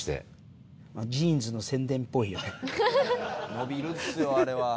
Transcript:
伸びるっすよあれは。